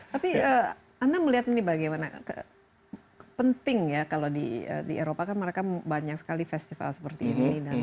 tapi anda melihat ini bagaimana penting ya kalau di eropa kan mereka banyak sekali festival seperti ini